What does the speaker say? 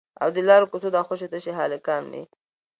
او د لارو کوڅو دا خوشي تشي هلکان مې